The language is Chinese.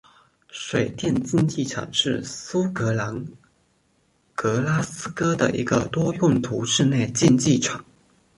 水电竞技场是苏格兰格拉斯哥的一个多用途室内竞技场。